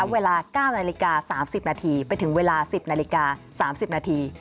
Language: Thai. เวลา๙นาฬิกา๓๐นาทีไปถึงเวลา๑๐นาฬิกา๓๐นาที